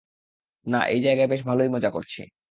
না, এই জায়গায় বেশ ভালোই মজা করছি।